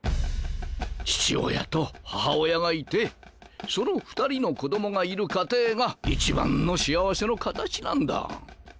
父親と母親がいてその２人の子供がいる家庭が一番の幸せの形なんだ。